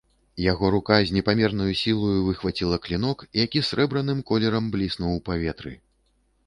Яго рука з непамернаю сілаю выхваціла клінок, які сярэбраным колерам бліснуў у паветры.